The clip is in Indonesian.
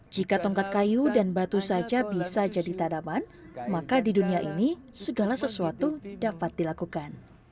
jika tongkat kayu dan batu saja bisa jadi tanaman maka di dunia ini segala sesuatu dapat dilakukan